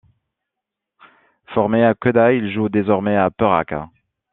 Formé à Kedah, il joue désormais à Perak.